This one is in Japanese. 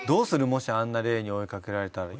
もしあんな霊に追い掛けられたら。